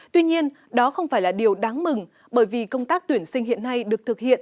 tuy nhiên đó không phải là điều đáng mừng bởi vì công tác tuyển sinh hiện nay được thực hiện